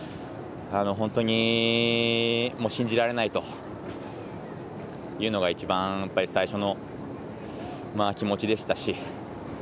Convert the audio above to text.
本当に、信じられないというのが一番最初の気持ちでしたし。